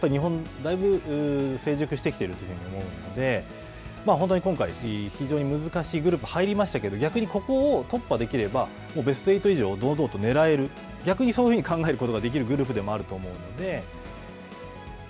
やっぱり日本、だいぶ成熟してきていると思うので、本当に今回、非常に難しいグループに入りましたけど、逆にここを突破できれば、ベスト８以上、堂々とねらえる、逆にそういうふうに考えることができるグループでもあると思うので。